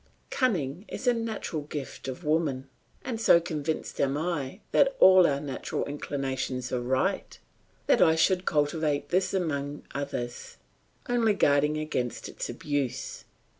Cunning is a natural gift of woman, and so convinced am I that all our natural inclinations are right, that I would cultivate this among others, only guarding against its abuse.